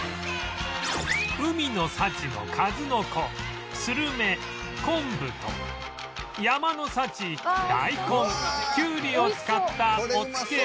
海の幸の数の子スルメ昆布と山の幸大根きゅうりを使ったお漬物